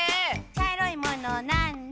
「ちゃいろいものなんだ？」